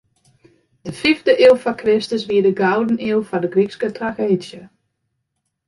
De fiifde iuw foar Kristus wie de gouden iuw foar de Grykske trageedzje.